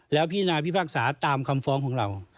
แล้วพี่นายพี่ภาคสาตร์ตามคำฟ้องของเรา